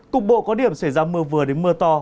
cục bộ có điểm xảy ra mưa vừa đến mưa to